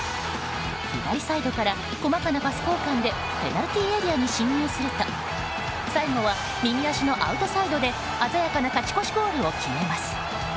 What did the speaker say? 左サイドから細かなパス交換でペナルティーエリアに進入すると最後は右足のアウトサイドで鮮やかな勝ち越しゴールを決めます。